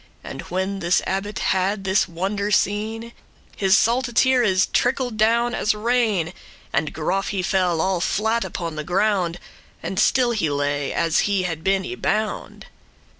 And when this abbot had this wonder seen, His salte teares trickled down as rain: And groff* he fell all flat upon the ground, *prostrate, grovelling And still he lay, as he had been y bound.